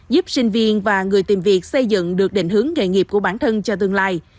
giúp sinh viên và người tìm việc xây dựng được định hướng nghề nghiệp của bản thân cho tương lai